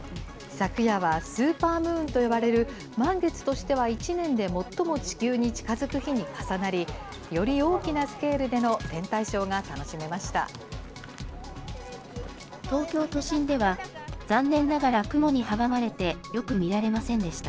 昨夜はスーパームーンと呼ばれる、満月としては１年で最も地球に近づく日に重なり、より大きなスケールでの天体ショーが楽しめました。